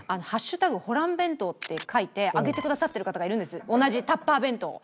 ホラン弁当って書いて上げてくださってる方がいるんです同じタッパー弁当を。